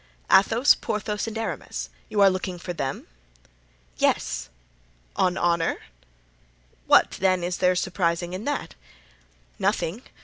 "Athos, Porthos and Aramis—you are looking for them?" "Yes." "On honor?" "What, then, is there surprising in that?" "Nothing.